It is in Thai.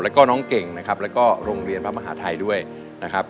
แล้วก็น้องเก่งนะครับแล้วก็โรงเรียนพระมหาทัยด้วยนะครับ